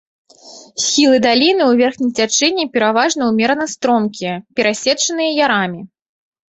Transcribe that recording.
Схілы даліны ў верхнім цячэнні пераважна ўмерана стромкія, перасечаныя ярамі.